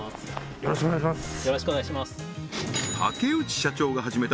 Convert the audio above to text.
よろしくお願いします